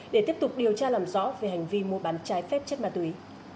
để được điều tra làm rõ về hành vi mua bán trái phép chất ma túy